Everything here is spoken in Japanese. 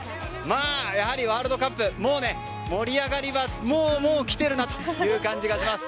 やはりワールドカップ盛り上がりは来ているなという感じがします。